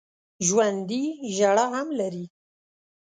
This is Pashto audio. ژوندي ژړا هم لري